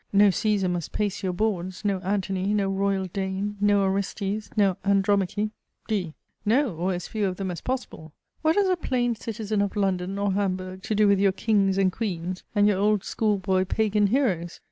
No Caesar must pace your boards no Antony, no royal Dane, no Orestes, no Andromache! D. No: or as few of them as possible. What has a plain citizen of London, or Hamburg, to do with your kings and queens, and your old school boy Pagan heroes?